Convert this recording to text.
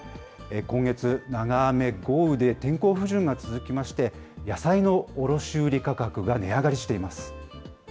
今月、長雨、豪雨で天候不順が続きまして、野菜の卸売り価格が値上がりしています。